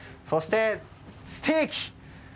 そして、ステーキ！